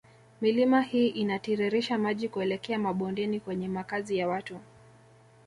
Milima hii inatiririsha maji kuelekea mabondeni kwenye makazi ya watu